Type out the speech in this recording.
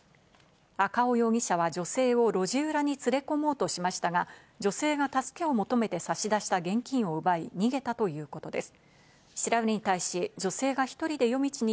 赤尾容疑者は女性を路地裏に連れ込もうとしましたが、女性が助けを求めて差し出した現金を奪い逃げたということです。